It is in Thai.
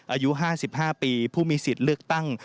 อายุ๕๕ปีผู้มีสิทธิ์เลือกตั้ง